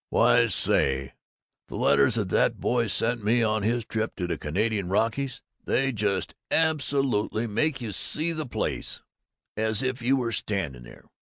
"Why say, the letters that boy sent me on his trip to the Canadian Rockies, they just absolutely make you see the place as if you were standing there.